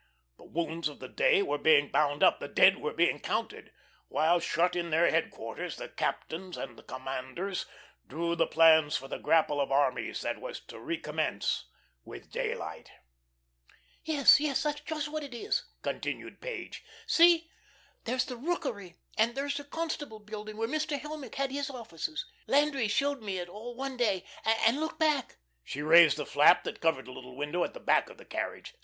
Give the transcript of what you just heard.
The wounds of the day were being bound up, the dead were being counted, while, shut in their headquarters, the captains and the commanders drew the plans for the grapple of armies that was to recommence with daylight. "Yes, yes, that's just what it is," continued Page. "See, there's the Rookery, and there's the Constable Building, where Mr. Helmick has his offices. Landry showed me it all one day. And, look back." She raised the flap that covered the little window at the back of the carriage.